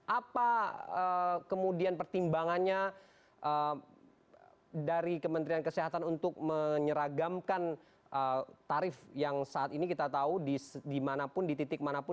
apa kemudian pertimbangannya dari kementerian kesehatan untuk menyeragamkan tarif yang saat ini kita tahu dimanapun di titik manapun